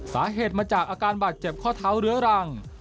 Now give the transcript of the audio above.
สาเหตุมาจากอาการบาดเจ็บข้อเท้าเรื้อรัง